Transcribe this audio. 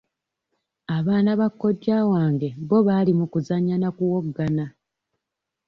Abaana ba kojja wange bo baali mu kuzannya na kuwoggana.